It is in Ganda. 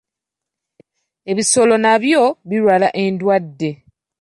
Ebisolo nabyo birwala endwadde.